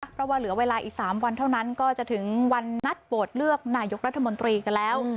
เพราะว่าเหลือเวลาอีก๓วันเท่านั้นก็จะถึงวันนัดโหวตเลือกนายกรัฐมนตรีกันแล้ว